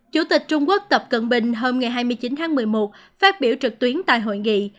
chủ tịch trung quốc tập cận bình hôm ngày hai mươi chín tháng một mươi một phát biểu trực tuyến tại hội nghị